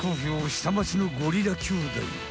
下町のゴリラ兄弟。